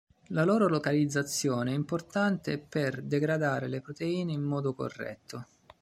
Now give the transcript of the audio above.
La loro localizzazione è importante per degradare le proteine in modo corretto.